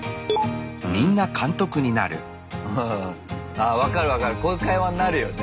あ分かる分かるこういう会話になるよね。